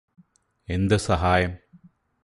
എന്ത് സഹായം